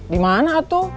di mana atuh